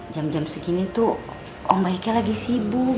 jam jam segini tuh om baiknya lagi sibuk